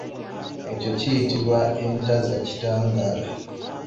Ekyo kiyitibwa entazakitangaala.